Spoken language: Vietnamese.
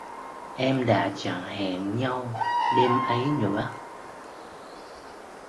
Em đã chẳng hẹn nhau đêm ấy nữa